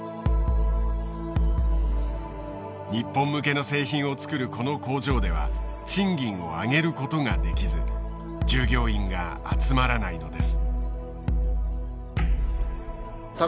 日本向けの製品を作るこの工場では賃金を上げることができず従業員が集まらないのです。